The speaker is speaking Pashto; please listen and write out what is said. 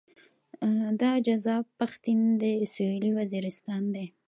دا جذاب پښتين د سويلي وزيرستان دی.